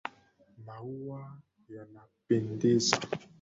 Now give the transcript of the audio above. Maua yanapendeza.